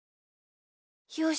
よし。